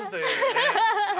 ハハハハ。